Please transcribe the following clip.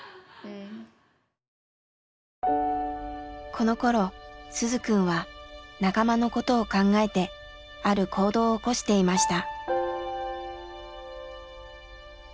このころ鈴くんは仲間のことを考えてある行動を起こしていました。